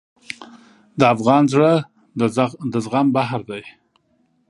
د افغان زړه د زغم بحر دی.